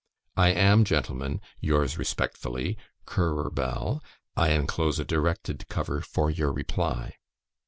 I am, gentlemen, yours respectfully, "CURRER BELL. "I enclose a directed cover for your reply."